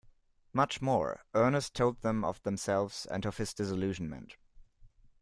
Much more Ernest told them of themselves and of his disillusionment.